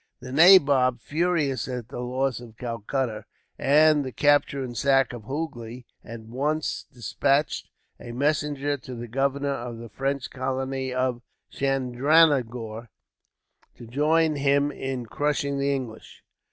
The nabob, furious at the loss of Calcutta, and the capture and sack of Hoogly, at once despatched a messenger to the governor of the French colony of Chandranagore, to join him in crushing the English.